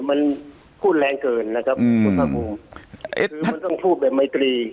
มันพูดแรงเกินนะครับคุณภาคภูมิมันต้องพูดแบบไมตรี